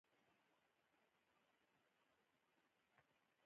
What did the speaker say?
طالب هم امريکايي کوتک دی او ګوزار به پرې وشي.